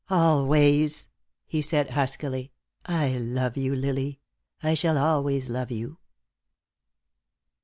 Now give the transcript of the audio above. "Always," he said, huskily, "I love you, Lily. I shall always love you."